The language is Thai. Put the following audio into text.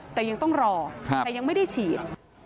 แต่ยังต้องรอแต่ยังไม่ได้ฉีด